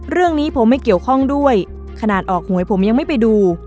เรื่องนี้ผมไม่เกี่ยวข้องด้วยขนาดออกหวยผมยังไม่ไปดู